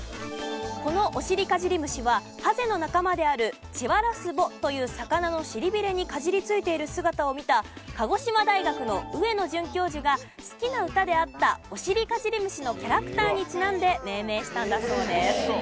このオシリカジリムシはハゼの仲間であるチワラスボという魚の尻びれにかじりついている姿を見た鹿児島大学の上野准教授が好きな歌であった『おしりかじり虫』のキャラクターにちなんで命名したんだそうです。